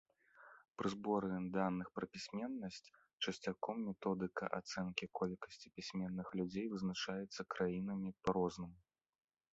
Пры зборы даных пра пісьменнасць часцяком методыка ацэнкі колькасці пісьменных людзей вызначаецца краінамі па-рознаму.